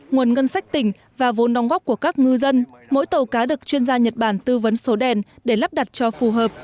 nguồn ngân sách tỉnh và vốn đóng góp của các ngư dân mỗi tàu cá được chuyên gia nhật bản tư vấn số đèn để lắp đặt cho phù hợp